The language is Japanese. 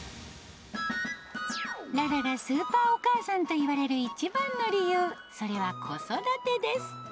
ララがスーパーお母さんといわれる一番の理由、それは子育てです。